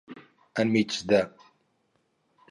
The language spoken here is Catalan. En mig de.